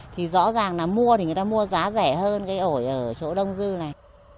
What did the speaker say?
thì rõ ràng là mua thì người ta mua giá rẻ hơn cái ổi ở chỗ đông dư này